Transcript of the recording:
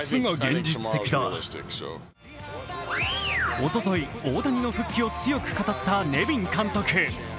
おととい大谷の復帰を強く語ったネビン監督。